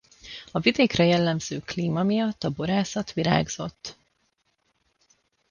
A vidékre jellemző klíma miatt a borászat virágzott.